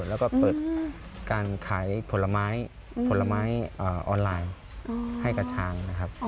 แล้วก็เปิดการขายผลไม้ผลไม้ออนไลน์ให้กับช้างนะครับ